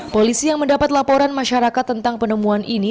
polisi yang mendapat laporan masyarakat tentang penemuan ini